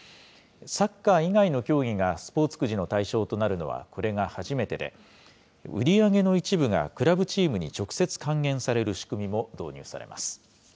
サッカー以外の競技がスポーツくじの対象となるのはこれが初めてで、売り上げの一部がクラブチームに直接還元される仕組みも導入されます。